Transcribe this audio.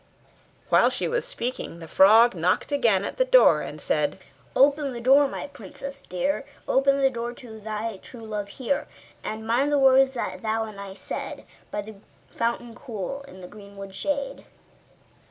While she was speaking the frog knocked again at the door, and said: 'Open the door, my princess dear, Open the door to thy true love here! And mind the words that thou and I said By the fountain cool, in the greenwood shade.